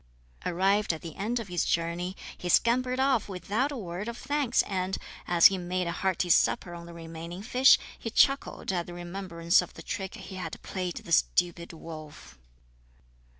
Arrived at the end of his journey, he scampered off without a word of thanks, and, as he made a hearty supper on the remaining fish, he chuckled at the remembrance of the trick he had played the stupid wolf.